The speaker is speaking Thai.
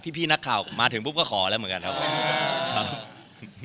พี่นักข่าวมาถึงปุ๊บก็ขอแล้วเหมือนกันครับ